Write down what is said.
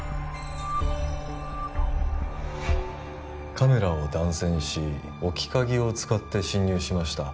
カメラを断線し置き鍵を使って侵入しました